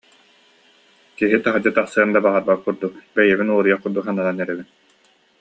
Киһи таһырдьа тахсыан да баҕарбат курдук, бэйэбин уоруйах курдук сананан эрэбин